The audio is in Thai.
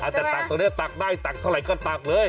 แต่ตักตรงนี้ตักได้ตักเท่าไหร่ก็ตักเลย